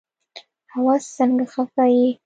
هوس سنګه خفه يي